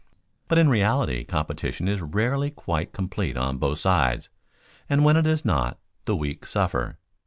But in reality competition is rarely quite complete on both sides, and when it is not, the weak suffer.